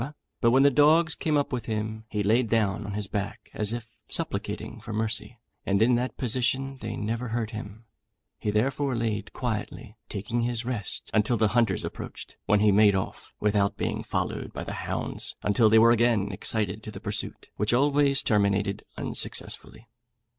but when the dogs came up with him, he laid down on his back, as if supplicating for mercy, and in that position they never hurt him; he therefore laid quietly, taking his rest, until the hunters approached, when he made off without being followed by the hounds, until they were again excited to the pursuit, which always terminated unsuccessfully.